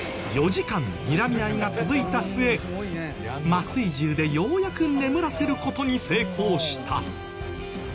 ４時間にらみ合いが続いた末麻酔銃でようやく眠らせる事に成功した。